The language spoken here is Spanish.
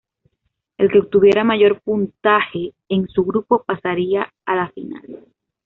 El que obtuviera mayor puntaje en su grupo, pasaría a la final.